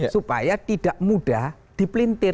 supaya tidak mudah dipelintir